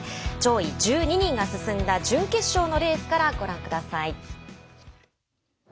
上位１２人が進んだ準決勝のレースからご覧ください。